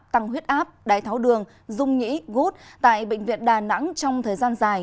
tăng huyết áp đái tháo đường dung nhĩ gút tại bệnh viện đà nẵng trong thời gian dài